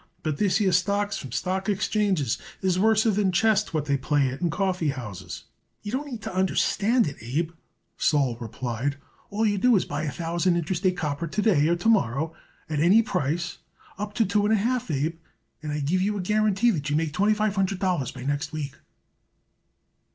But this here stocks from stock exchanges is worser than chest what they play it in coffee houses." "You don't need to understand it, Abe," Sol replied. "All you do is to buy a thousand Interstate Copper to day or to morrow at any price up to two and a half, Abe, and I give you a guarantee that you make twenty five hundred dollars by next week."